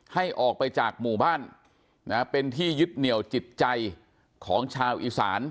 ให้ออกไปจากหมู่บ้านเป็นที่ยึดเหนียวจิตใจของชาวอีสาน